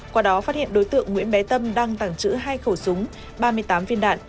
qua đó phát hiện đối tượng nguyễn bé tâm đang tàng trữ hai khẩu súng ba mươi tám viên đạn